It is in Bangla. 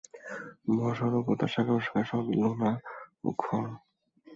মহাসাগর ও তার শাখা-প্রশাখা সবই লোনা ও খর।